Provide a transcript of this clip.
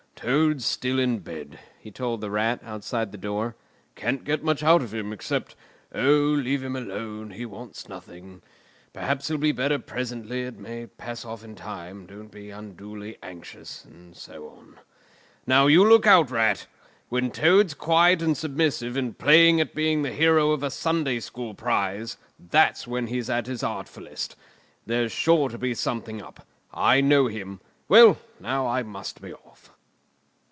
"Toad's still in bed," he told the Rat, outside the door. "Can't get much out of him, except, 'O leave him alone, he wants nothing, perhaps he'll be better presently, it may pass off in time, don't be unduly anxious,' and so on. Now, you look out, Rat! When Toad's quiet and submissive and playing at being the hero of a Sunday school prize, then he's at his artfullest. There's sure to be something up. I know him. Well, now, I must be off."